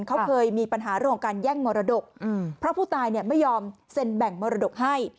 เขาเคยมีปัญหาเรื่องของการแย่งมรดกเพราะผู้ตายไม่ยอมเซ็นแบ่งมรดกให้